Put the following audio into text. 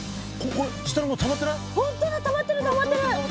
ほらたまってるたまってる。